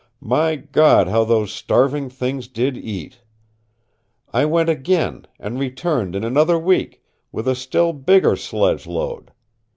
My God, how those starving things did eat! I went again, and returned in another week, with a still bigger sledge load.